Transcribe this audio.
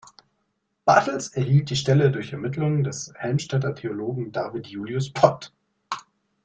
Bartels erhielt die Stelle durch Vermittlung des Helmstedter Theologen David Julius Pott.